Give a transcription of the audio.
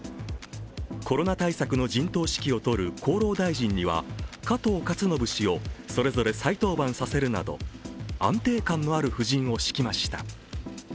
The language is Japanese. コロナ対策の陣頭指揮を執る厚労大臣には加藤勝信氏をそれぞれ再登板させるなど、安定感のある布陣を敷きました。